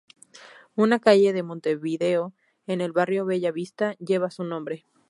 Una calle de Montevideo, en el barrio Bella Vista, lleva su nombre.